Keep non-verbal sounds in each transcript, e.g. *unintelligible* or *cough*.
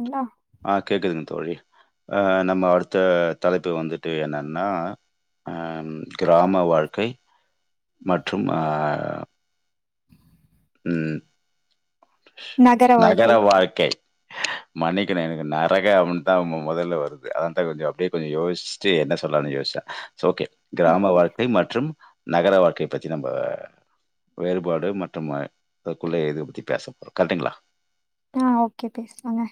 ங்களா ஆ கேக்குதுங்க தோழி அ நம்ம அடுத்த தலைப்பு வந்துட்டு என்னன்னா அ கிராம வாழ்க்கை மற்றும் ஆ ம் நகர வாழ்க்கை மன்னிக்கணு எனக்கு நரக அப்புன் தா மொதல்ல வருது அதான்தா கொஞ்சொ அப்டியே கொஞ்சொ யோசுச்ட்டு என்ன சொல்லானு யோசுச்சே சோ ஓகே கிராம ஓகே வாழ்க்கை மற்றும் நகர வாழ்க்கைய பத்தி நம்ப வேறுபாடு மற்றும் அதுக்குள்ள இது பத்தி பேச போறோ கரெட்டுங்களா ஆ ஓகே பேசலாங்க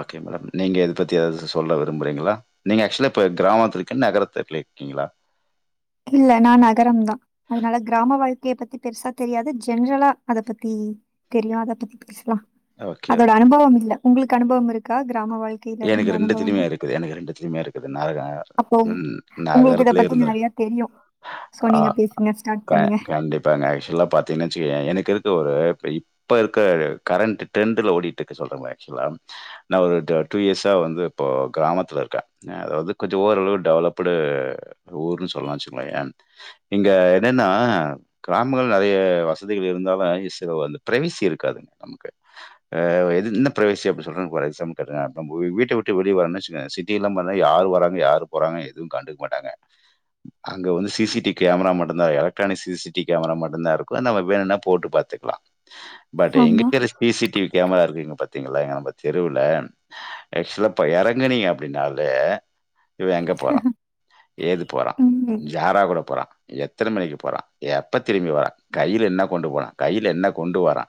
ஓகே மேடம். நீங்க இத பத்தி எதாவ்து சொல்ல விரும்புறீங்ளா? நீங்க ஆக்சுவலா இப்ப கிராமத்துல இருக்க நகரத்துல இருக்கீங்களா இல்ல நா நகரம்தா அதுனால கிராம வாழ் க்கைய பத்தி பெருசா தெரியாது ஜென்ரலா அத பத்தி தெரியு அத பத்தி பேசலா ஓகே. அதோட அனுபவம் இல்ல உங்களுக்கு அனுபவம் இருக்கா கிராம வாழ்க்கையில எனக்கு இருந்த ரெண்டுத்திலியுமே அனுபவங்கள் இருக்குது எனக்கு ரெண்டுத்திலியுமே இருக்குது நரக அப்போ ம் உங்களுக்கு இத நகரத்துலயு பத்தி இருந்தே நெறைய தெரியு சோ ஆ நீங்க பேசுங்க ஸ்டார்ட் க பண்ணுங்க கண்டிப்பாங்க ஆக்சுவலா பாத்தீங்கன் வச்சுங்க எனக்கு இருக்கு ஒரு இப்ப இருக்க கரண்ட் ட்ரெண்டுல ஓடிட்ருக்க சொல்றேங்க ஆக்சுவலா நா ஒரு ட டூ இயர்ஸா வந்து இப்போ கிராமத்துல இருக்கே அதாவ்து கொஞ்சொ ஓரளவு டெவலப்புடு ஊருன் சொல்லான் வச்சுங்ளயேன் இங்கே என்னென்னா கிராமங்கள் நெறய வசதிகள் இருந்தாலு சில வந்த பிரைவேசி இருக்காது நமக்கு ஆ இது என்ன பிரைவேசி அப்டி சொல்றாங்க பாரு எக்ஸாம்பிள் கேளுங்க நம்ப வீட்ட விட்டு வெளிய வறன் வச்சுங்க சிட்டியல்லா போனா யாரு வராங்க யாரு போறாங்க எதுவு கண்டுக் மாட்டாங்க அங்க வந்து சி சி டி கேமரா மட்டுந்தா electronic C C T camera மட்டுந்தா இருக்கு நம்ம வேணுனா போட்டு பாத்துக்லா பட் ஆமா இங்கெக்குற C C T V camera இருக்குங்க பாத் பாத்திங்களா நம்ப தெருவுல ஆக்சுவலா இப்ப எறங்கனிங்க அப்டின்னலே இவ எங்க போறா எதுக் போறா ம் யாரா கூட போறா எத்தன மணிக்கு போறா எப்ப திரும்பி வரா கைல என்ன கொண்டு போறா கைல என்ன கொண்டு வரா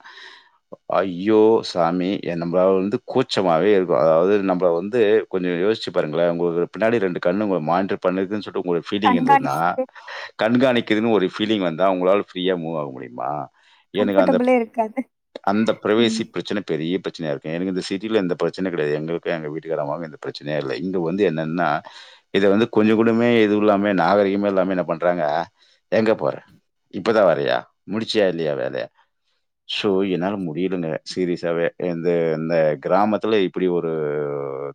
ஐய்யோ சாமி என்ன நம்ப வந்து கூச்சமாவே இருக் அதாவது நம்ப வந்து கொஞ்ச யோசிச்சு பாருங்களே உங்களுக்கு பின்னாடி ரெண்டு கண்ணு உங்கள மானிட்டர் பண்ணது சொல்ல ஒரு ஃபீலிங்ந்ததுன்னா கண்காணிச்சுட்டு கண்காணிக்குதுன் ஒரு ஃபீலிங் வந் அதா உங்களால் ஃப்ரீயா மூவ் ஆக முடியுமா எனக்கு அந்தப் கம்ஃபர்டபிளே இருக்காது அந்த பிரைவேசி ம் ப்ரச்சன பெரிய ப்ரச் ச்சனை இருக்கே எனக் இந்த சிட்டிலா இந்த ப்ரச் ச்சனை கெடையாது எங்களுக்கு எங்க வீட்டுக்காரமா பிரச்சனையே இல்ல இங்க வந்து என்னன்னா இத வந்து கொஞ்ச கூடமே எதுவு இல்லாமே நாகரீகமே இல்லாமே என்ன பண்றாங்க எங்க போற இப்பதா வரியா முடிச்சியா இல்லயா வேல சோ என்னால முடியலங்க சீரியஸாவே இந்த இந்த க்ராமத்துல இப்டி ஒரு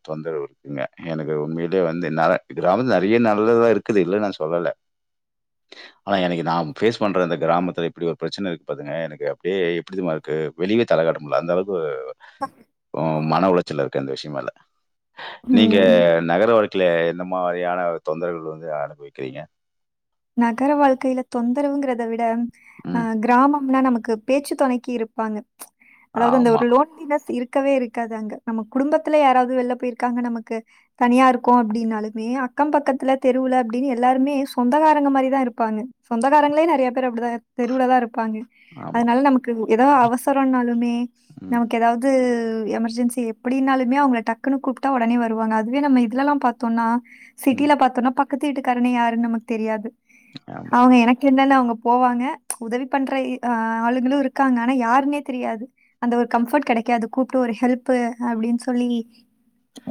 தொந்தரவு இருக்குங்க எனக்கு உண்மையிலயே வந்து நா கிராமத்து நறைய நல்லதா இருக்குது இல்ல நா சொல்லல ஆனா எனக்கு நா ஃபேஸ் பண்ற இந்த க்ராமத்துல இப்டி ஒரு ப்ரச்சனை இருக்கு பாத்துங்க எனக்கு அப்டியே எப்டிதுமா இருக்கு வெளியே தலைகாட்ட முடில அந்த அளவுக்கு உ மன உளைச் சிலருக்கு அந்த விஷயமால்ல நீங்க ம் நகர வா ல இந்த மாரியான தொந்தரவுகள் வந்து அனுபவிக்கிறீங்க நகர வாழ்க்கையல தொந்தரவுங்கறத விட ஆ ம். கிராமம்னா நமக் க்கு பேச்சு தொணக்கி இருப்பாங்க அதாவது அந்த ஆமா, ஒரு லோன்லினஸ் இருக் க்கவே இருக்காது அங்க நம்ம குடும்பத்துல யாராவது வெள்ல போயிருக்காங்க நமக்கு தனியா இருக்கு அப்டின்னாலுமே அக்க பக்கத்துல தெருவுல அப்டின் எல்லாருமே சொந்தகார ங்க மாரிதா இருப்பாங்க சொந்தக்காரங்களே நெறைய பே க்கறாங்க அப்டிதா தெருவுலதா இருப்பாங்க ஆமா. அதனால நமக்கு ஏதாவ் அவசரனாலுமே ம், நமக் ஏதாவது து எமர்ஜென்சி எப்டின்னாலுமே அவுங்க டக்குனு கூப்பிட்டா ஓடனே வருவாங்க அதுவே நம்ம இதுலல்லா. பாத்தோன்னா ம். சிட்டில பாத்தோன்னா பக் க்கத்து வீட்டுக்காரன்னே யாருன் நமக் தெரியாது ஆமா. அவுங்க எனக் என்னன்ன அவுங்க போவாங்க உதவி பண்ற இ ஆ ஆ ஆளுங்களு இருக்காங்க ஆனா யாருன்னே தெரியாது அந்த ஒரு கம்ஃபர்ட் கெடைக்காது கூப்பிட்டு ஒரு ஹெல்ப்பு அப்டின்னு சொல்லி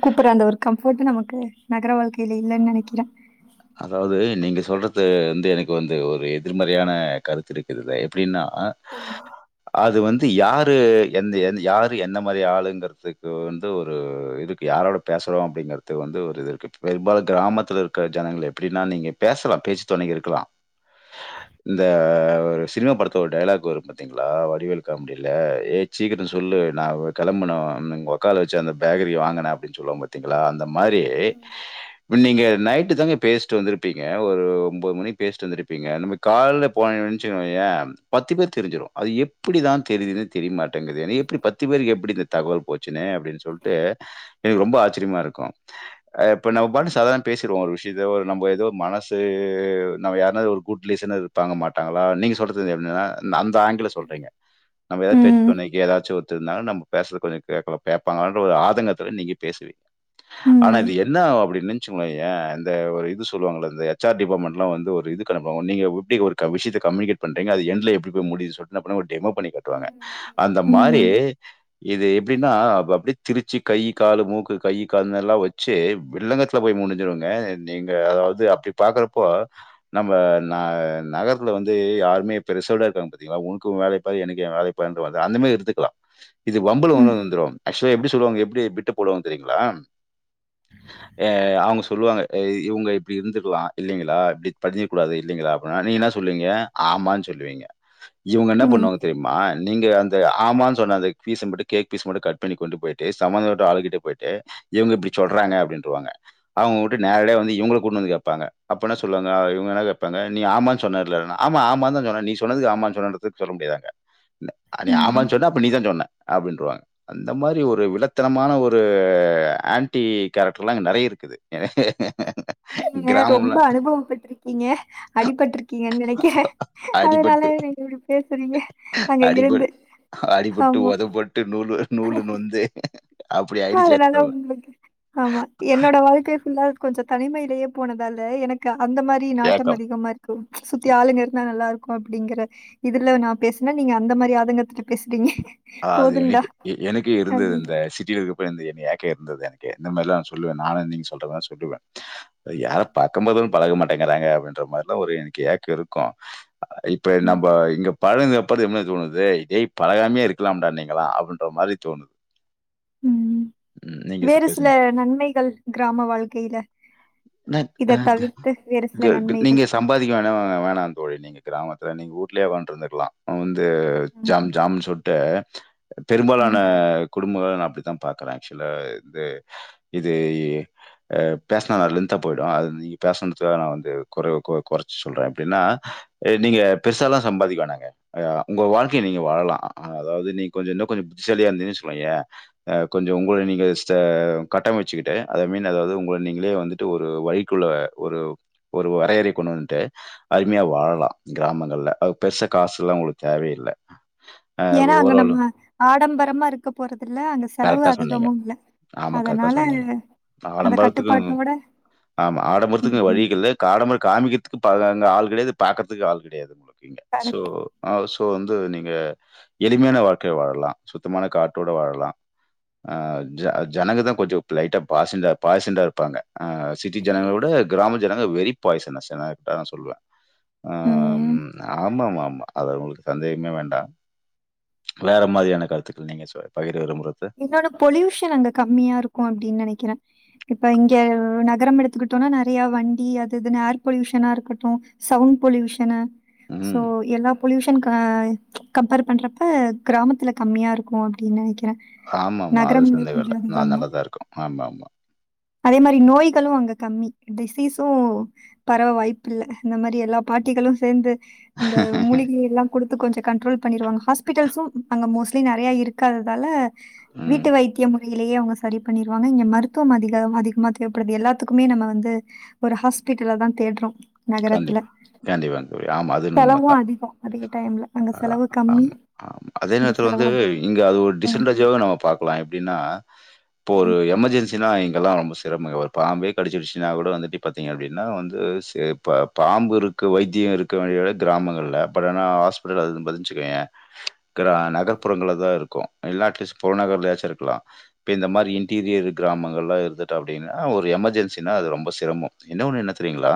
கூப்புற அந்த ஒரு கம்ஃபோர்ட் நமக்கு நகர வாழ்க்கையல இல்லன்னு நெனைக்கறே அதாவது நீங்க சொல்றது வந்து எனக்கு வந்து ஒரு எதிர்மறையான கருத்து இருக்குது இதுல எப்டின்னா ஆ சொல்லுங்க அது வந் அது யாரு எந்த எந் யாரு எந்த மாரி ஆளுங்கறதுக்கு வந்து ஒரு இதுக்கு யாரோட பேசுறோ அப்டிங்கறதுக்கு வந்து ஒரு இது இருக்கு பெரும்பால கிராமத்தில இருக்க ஜனங்கள எப்டின்னா நீங்க பேசலா பேச்சுத்தொணைக்கு இருக்கலா இந்த அ ஒரு சினிமா படத்துல ஒரு டயலாக் வரும் பாத்திங்களா வடிவேல் காமெடில ஏய் சீக்கிர சொல்லு நா கெளம்பனு உங்க அக்காள வச்சு அந்த பேக்கரிய வாங்குன அப்டின் சொல்வாம் பாத்திங்களா அந்த மாறி இப்ப நீங்க நைட் இப்டி தாங்க பேசிட்டு வந்திருப்பிங்க ஒரு ஒம்பது மணி பேசிட்டு வந்திருப்பிங்க நம்ம காலைல போனன்னு வச்சிக்கயேன் பத்தி பேர்க்கு தெரிஞ்சிரும் அது எப்டிதா தெரியதுன்னு தெரியமாட்டேங்குது அது எப்டி பத்து பேருக்கு எப்டி இந்த தகவல் போச்சுன்னு அப்டின் சொல்ட்டு எனக்கு ரொம்ப ஆச்சரியம்மா இருக்கும் நம்ம பாட்ன் சாதாரணம பேசுரோ ஒரு விஷ் எதோ ஒரு நம்ப எதோ மனசு நம்ம யாருனாது ஒரு குட் ரிலேசனாது இருப்பாங்க மாட்டாங்களா நீங்க சொல்றது என்னனா அந் த ஆங்கிள்ல சொல்றீங்க நம்ம எதாவது ம், பேச்சுத்தொணைக்கி எதாச்சு ஒரு த்தர் இருந்தாங்கன்னா நம்ம பேசறத கொஞ்ச கேக்க கேப்பாங்கன்ற ஒரு ஆதங்கத்துல நீங்க பேசுவீங்க ஆனா ம், இது என்ன ஆவு அப்டின்னு நென்ச்சிக்கோயே இந்த ஒரு இது சொல்லுவாங்கல்ல இந்த ஹெச் ஆர் டிபார்ட்மெண்ட்லா வந்து ஒரு இது கண்டக்ட் பண்ணுவாங்க நீங்க எப்டி ஒரு க விசயத்த கம்யூனிகேட் பண்றீங்க அது எண்ட்ல எப்டி போய் முடியுது சொல்ட்டு என்னா பண்ணுவாங்க டெமோ பண்ணி காட்டுவாங்க அந்த மாரி ம், இது எப்டின்னா அப்ப அப்டியே திரிச்சி கையி காலு மூக்கு கையி காதுனெல்லா வச்சு வில்லங்கத்துல போய் முடிஞ்சிருங்க நீங்க அதாவது அப்பிடி பாக்குறப்போ நம்ம ந நகரத்துல வந்து யாருமே பெருசோட இருக்காங்க பாத்தீங்களா உனக்கு உன் வேலைய பாரு எனக்கு ஏன் வேலைய பாருன்ற மாரிதா அந்த மாரி இருந்துக்கலா இது வம்புல கொண்டு ம், வந்து நின்றுரு ஆக்சுவலா எப்டி சொல்வாங்க எப்டி பிட்ட போடுவாங்க தெரியுங்களா ஏ அவங்க சொல்லுவாங்க ஏ இவங்க இப்டி இருந்துருக்கலா இல்லைங்களா இப்டி பண்ணிருக்க கூடாது இல்லைங்களா அப்டின்னா நீங்க என்னா சொல்லுவீங்க ஆமான்னு சொல்லுவீங்க இவங்க என்ன ம், பண்ணுவாங்க தெரியுமா நீங்க அந் த ஆமான்னு சொன்ன அந்த பீச மட்டும் கேக் பீச மட்டு கட் பண்ணி கொண்டு போயிட்டு சம்பந்தப்பட்ட ஆளு கிட்ட போயிட்டு இவங்க இப்டி சொல்றாங்க அப்டின்ட்ருவாங்க அவங்க உ டனே நேரடியா வந்து இவங்கள கூட்னு வந்து கேப்பாங்கப்ப அப்ப என்ன சொல்லுவாங்க இவங்க என்ன கேப்பாங்க நீ ஆமான்னு சொன்ன இல்லன்னா ஆமா ஆமான்னுதா சொன்னே நீ சொன்னதுக்கு ஆமான்னு சொன்னேன்றத சொல்ல முடியாது அங்க ந் அ நீ ம். ஆமான்னு சொன்னா அப்ப நீதா சொன்னே அப்டின்ட்ருவாங்க அந்த மாரி ஒரு வில்லத்தனமான ஒரு ஆன்டி கேரக்டர்லா இங்க நெறைய இருக்குது எனக்கு ஏங்க நீங்க ரொம்ப அனுபவப்பட்டுருக்கீங்க அடிபட்ருக்கீங்கன்னு நெனைக்கிறே அடிபட்டு, அதனால நீங்க இப்பிடி பேசுறீங்க அங்க இருந்து அடிபட் அடிபட்டு, ஆமா உதைபட்டு, நூலு நூலு நொந்து அப்படி ப்போ ஆயிடுச்சு அதனால ஏக்கம். உங்களுக்கு ஆமா என்னோட வாழ்க்கை ஃபுல்லா கொஞ்சொ தனிமையிலயே போனதால எனக்கு அந்த மாரி நாட்டம் ஏக்கம். அதிகமா இருக்கு சுத்தி ஆளுங்க இருந்தா நல்லா இரு க்கு அப்டிங்கற இதுல நா பேசுனா நீங்க அந்த மாரி ஆதங்கத்துல பேசுறீங்க ஆ அது போதும்டா எனக்கு எ எனக்கு இருந்தது அப்படின்னு. இந்த சிட்டில இருக்க ப்ப வந்து என்ன ஏக்க இருந்தது எனக்கு இந்த மாரிலா நா சொல்லுவே நானு நீங்க சொல்ற மாரி சொல்லுவே. அது யார பாக்கும் போது பழக மாட்டேங்கிறாங்க அப்டின்ற மாரிலா ஒரு எனக்கு ஏக்கோ இருக்கு. அ இப்ப ம். நம்போ இங்க பழகணுதுக்கப்றோ இது மாரி தோணுது இதே பழகாமயே இரு க்கலாம்டா நீங்கல்லா அப்டின்ற மாரி தோணுது ம். ம் நீங்க சொ வேறு சில பேசுங்க நன்மைகள் கிராம வாழ்க்கையில. ந ஆ இத தவிர்த்து *unintelligible* வேறு சில க த நன்மைகள். நீங்க சம்பாதிக்க வேணா வேணாந் தோழி நீங்க கிராம த்துல நீங்க ஊட்லயே உக்காண்ட்டு இருந்துருக்கலா அவுங்க வந் து ம். ஜாம் ஜாம்னு சொல் ட்டே பெரும்பாலான ம். குடும்பங்கள அப்பிடித்தா பாக்குறே ஆக்சுலா இந்த இது பேசனா லேந்தாபோயிடு அது நீங்க பேசனது நா வந்து குறை கொ கொறச்சி சொல்றே எப்பிடின்னா நீங்க பெருசல்லா சம்பாதிக்க வேணாங்க உங்க வாழ்க்கைய நீங்க வாழலா ஆ அதாவது நீ கொஞ்சோ இன்னு கொஞ்சோ புத்திசாலியா இருந்தீன்னுசொயே ஏன் அ கொஞ்சோ உங்கள நீங்க ச கட்டமச்சிக்கிட்டு அத மீன் அதாவது உங்க நீங்களே வந்துட்டு ஒரு வழிக்குள்ள ஒரு ஒரு வரையறை கொண்டு வந்துட்டு அருமையா வாழலா கிராமங்கள்ல அது பெருச காசுல்லா உங்களுக்கு தேவயேல்ல ஏன்னா அங்க நம்ம ஆடம்பரமா இருக்க போறதுல்ல அங்க செலவு கரெக்ட்டா சொன்னீங்க. அதிகமு இல்ல ஆமா கரெக்டா அதனால சொன்னீங்க. அந்த ஆடம்பரத்துக்கும் கட்டுப்பாட்டோட ஆமா. ம் பழண்ட ஆள் கிடையாது பாக்குறதுக்குஆள் கிடையாது உங் பிங்க சோ கரெக்ட். ஹவுஸ் இப்போ வந்து நீங்க எளிமையான வாழ்க்க வாழலா சுத்தமான காற்றோடு வாழலா ஆ ஜ ஜனங்கதா கொஞ்சோ லைட்டா பாசண்டா பாசண்டாருப்பாங்க ஆ சிட்டி ஜனங்களவுட கிராம ஜனங்க வெறி பாய்சன்னஸ் நா கரெக்ட்டதா சொல்லுவே ஆ ம் ஆமா ஆமா ம்மா அது உங்களுக்கு சந்தேகமே வேண்டா வேற மாதிரியான கருத்துக்கள் நீங்க சொ பகிர் இன்னொன்னு பொல்யூஷன் அங்க கம்மியா இருக்கு அப்பிடின்னு நெனைக்கிறே இப்ப இங்க நகரம் எடுத்துக்கிட்டோனா நெறைய வண்டி அது இதுன்னு ஏர் பொல்யூஷனா இருக்கட்டு சவுண்ட் பொல்யூஷனு சோ ம். எல்லாப் பொல்யூஷன் க கம்பேர் பண்ணுறப்ப கிராமத்தல கம்மியாக இருக்கு அப்பிடின்னு நெனைக்கிறே ஆமா ஆமா அது சந்தேக இல்ல நா தான் நல்லதா இருக்கு ஆமா ம் *unintelligible* அதே மாரி நோய்களு அங்க கம்மி டிசீஸு பரவ வாய்ப்பு இல்ல இந்த மாரி எல்லா பாட்டிகளு சேர்ந்து இந்த மூலிகைல்லா குடுத்து கொஞ்ச கண்ட்ரோல் பண்ணிடுவாங்க ஹாஸ்பிட்டல்ஸு அங்க மோஸ்ட்லி நெறைய இருக்காததால ம். வீட்டு வைத்தியமு லேயே அவங்க சரி பண்ணிருவாங்க இங்க மருத்துவமாதி த அதிகமா தேவைப்படுது எல்லாத்துக்குமே நம்ம வந்து ஒரு ஹாஸ்பிட்டல்லதா தேடுறோ கண்டி கண்டிப்பாங்க தோழி ஆமா அது உண்மைதா செலவும் அதிகம் அதே டைம்ல. அங்க செலவு கம்மி. அதே இங்க நேரத்துல செலவு வந்து அதிகம். இங்க அது ஒரு ம், டிசடவண்டாஜ்வ நம்ம பாக்கலா எப்பிடின்னா இப்போ ஒரு ம். எமர்ஜென்சினா இங் ட் எல்லா ரொம்ப சிரமம்ங்க ஒரு பாம்பே கடிச்சிரிச்சினா கூட வந்துட்டு ப் பாத்தீங்கனா அப்பிடின்னா வந்து சேப் இப்ப பாம்பு இருக்கு வைத்திய இருக்க வேண்டிய கிராமங்கள பட் ஆனா ஹாஸ்பிட்டல் அது பதிஞ்சுக்கேயே கிரா நகர்ப்புறங்களதா இருக்கு இல்ல அட்லீஸ்ட் புறநகர்லயாச்சு இருக்கலா இப்ப இந்த மாரி இன்டீரியர் கிராமங்கள்லா இருந்துட்ட அப்பிடின்னா ஒரு எமர்ஜென்சனா அது ரொம்ப சிரமம் என்ன ஒன்னு என்ன தெரியீங்களா.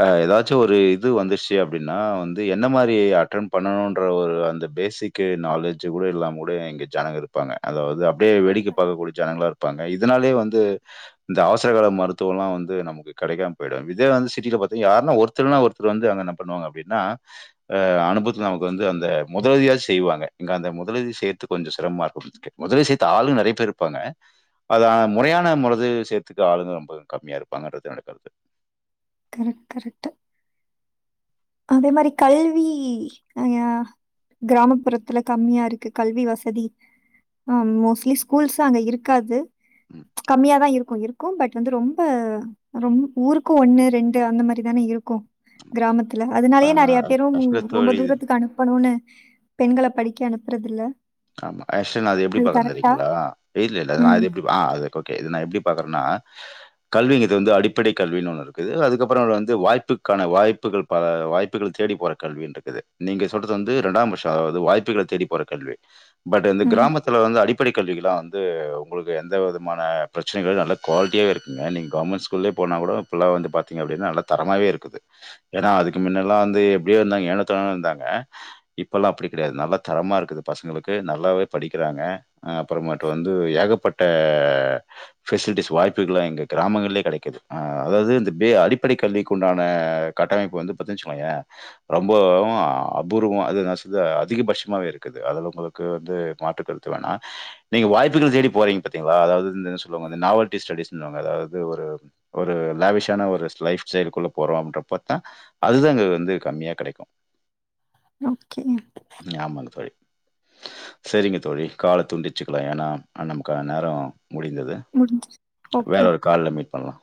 அ ஏதாச்சு ஒரு இது வந்துச்சு அப்பிடின்னா வந்து என்ன மாரி அட்டன் பண்ணணும்ன்ற ஒரு அந்த பேசிக் நாலேஜ் கூடல்லாம கூட எங்க ஜானக இருப்பாங்க அதாவது. ப்பிடியே வேடிக்க பாகக்கூடிய ஜனங்களா. ப்பாங்க இதனாலயே வந்து இந்த அவசரகஅவசரகால மருத்துவோலா வந்து நமக்கு கெடைக்காம போயிடு இதே வந்து சிட்டில பாத்தீங்கனா யாருன்னா ஒருத்தர்னா ஒருத்தர் வந்து அங்க என்ன பண்ணுவாங்க அப்படின்னா ஆ அனுபவத்துல நமக்கு வந்து அந்த முதலியாவது செய்வாங்க இங்க அந்த முதல சேர்த்துக்கு கொஞ்ச சிரமமா இருக்கு முதல சேர்த்து ஆளு நெறையா பேர் இருப்பாங்க அத முறையான முதலுதவ் சேர்த்துக்கு ஆளுங்க ரொம்ப கம்மியா இருப்பாங்கன்றது என்னுடைய கருத்து கரெக்ட் கரெக்ட்டு அதே மாரி கல்வி அ யா கிராமப்புறத்துல கம்மியா இருக்கு கல்வி வசதி ஆ மோஸ்ட்லி ஸ்கூல்ஸு அங்க இருக்காது ம். கம்மியாதா இருக் ஆ இருக்கு பட் வந்து ரொம்ப ரொ ஊருக்கு ஒண்ணு ரெண்டு அந்த மாரி தானே இருக்கு துல ஆ. அதனாலயே நிறையா பேரு இல்ல ரொம்ப தோழி தூரத்துக்கு அனுப்பணுனு பெண்கள படிக் கெ அனுப்புறதில்ல ஆமா ஆஷ நா அது எப்டி பாக்குறே தெரியீங்களா இல்ல இல்ல அதது நா ம். அத எப்டி அ ஓகே இத நா எப்டி பாக்குறேன்னா கல்வி இது வந்து அடிப்படை கல்வின்னு ஒன்னு இருக்குது அதுக்கப்பறோ வந்து வாய்ப்புக்கான வாய்ப்புகள் பல வாய்ப்புகள் தேடி போற கல்வினு இருக்குது நீங்க சோ சொல்றது வந்து ரெண்டாம் பஷ்ஷோ வாய்ப்புகள தேடி போற கல்வி பட் வந்து ம். கிராமத்துல வந்து அடிப்படை கல்விக்லா வந்து து உங்களுக்கு எந்த விதமான பிரச்சனைகள் நல்ல குவால்டிலயாவே இருக்குங்க நீங்க கவர்மெண்ட் ஸுகுல்லே போனா கூட இப்பலா பாத்தீங்கனா அப்டினா நல்லா தரமாவே இருக்குது ஏன்னா அதுக்கு முன்னல்லா வந்து எப்டியோ இருந்தாங்க ஏனோதாநோனு இருந்தாங்க இப்பெல்லா அப்டி கெடையாது நல்லா தரமா இருக்குது பசங்களுக்கு நல்லாவே படிக்கிறாங்க அப்புறமாட்டு வந்து ஏகப்பட்ட ஃபெசிலிட்டிஸ் வாய்ப்புகலா எங்க கிராமங்கள்லே கெடைக்கிது அதாவது இந்த பே அடிப்படை கல்விக்கு உண்டான கட்டமைப்பு வந்து பாத்துனச்சுக்கோங்களே ரொம்ப அபூர்வோ அது ந அதிகபட்சமாகவே இருக்குது க்குது அதல உங்களுக்கு வந்து மாற்று கருத்து வேணா நீங்க வாய்ப்புகள் தேடி போறீங்க பாத்தீங்களா அதாவது து என்ன சொல்லுவாங்க நாவல்டி ஸ்டடிஸ்னு *unintelligible* அதாவது ஒரு ஒரு லாவிஷான ஒரு லைஃப் ஸ்டைல்க்குள்ள போறோ அப்டின்றப்பத்தா அதுதா இங்க வந்து கம்மியா கெடைக்கு ஓகேங்அ. ஆமாங்க தோழி. சரிங்க தோழி கால துண்டிச்சுக்கலா ஏன்னா ஆ நமக்கான நேரோ முடிந்தது முடிஞ்சுச்சு. வேற ஓகே. ஒரு கால்ல மீட் பண்ணலா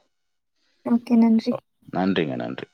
ஓகே. நன்றி. அ நன்றிங்க நன்றி